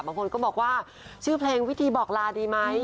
บางคนก็บอกว่าชื่อเพลงวิธีบอกลาดีไหม